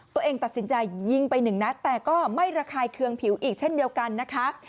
ตัวเองตัดสินใจยิงไปหนึ่งนัดแต่ก็ไม่ระคายเคืองผิวอีกเช่นเดียวกันนะคะ